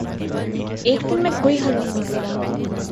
ایک دن میں کوئی حل نہیں نکلے گا۔